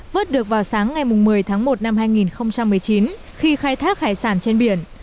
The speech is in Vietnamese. vớt được vào sáng ngày một mươi tháng một năm hai nghìn một mươi chín khi khai thác hải sản trên biển